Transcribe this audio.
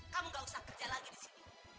kamu gak usah kerja lagi disini